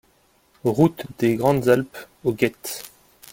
Route des Grandes Alpes aux Gets